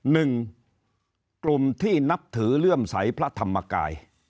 หนึ่งกลุ่มที่นับถือเลื่อมใสพระธรรมกาย